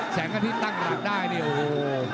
แสงอาทิตย์ตั้งหลักได้เนี่ยโอ้โห